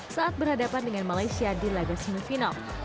saat berhadapan dengan malaysia di lagas mufino